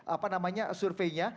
apa namanya surveinya